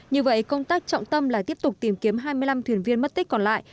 như vậy công tác trọng tâm là tiếp tục tìm kiếm hai mươi năm thuyền viên mất tích còn lại